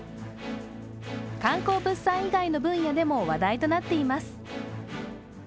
観光物産以外の分野でも話題となっています。